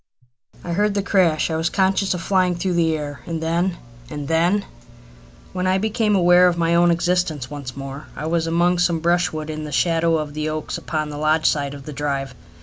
I heard the crash. I was conscious of flying through the air, and then and then !When I became aware of my own existence once more I was among some brushwood in the shadow of the oaks upon the lodge side of the drive.